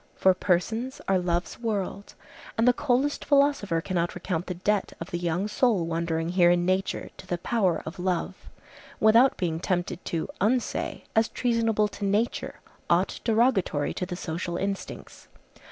For persons are love's world, and the coldest philosopher cannot recount the debt of the young soul wandering here in nature to the power of love, without being tempted to unsay, as treasonable to nature, aught derogatory to the social instincts.